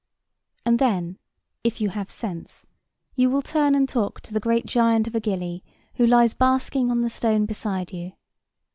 And then, if you have sense, you will turn and talk to the great giant of a gilly who lies basking on the stone beside you.